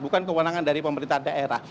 bukan kewenangan dari pemerintah daerah